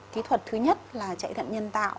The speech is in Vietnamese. kỹ thuật thứ nhất là chạy thận nhân tạo